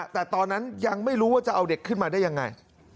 แต่ตอนนั้นยังไม่รู้ว่าจะเอาเด็กขึ้นมาได้ยังไง